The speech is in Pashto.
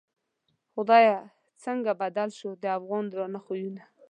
خدایه څرنگه بدل شوو، د افغان درانه خویونه